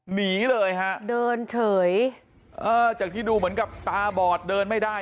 หนีเลยฮะเดินเฉยเออจากที่ดูเหมือนกับตาบอดเดินไม่ได้